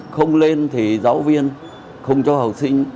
không lên thì giáo viên không cho học sinh